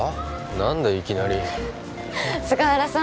何だいきなり菅原さん